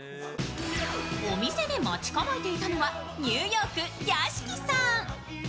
お店で待ち構えていたのはニューヨーク・屋敷さん。